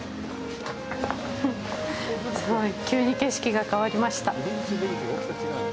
すごい急に景色が変わりました。